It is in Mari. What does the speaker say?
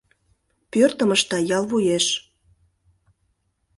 Пӧртым ышта ял вуеш.